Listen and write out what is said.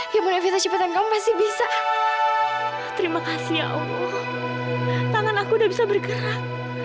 ya mudah cepetan kamu masih bisa terima kasih ya allah tangan aku udah bisa bergerak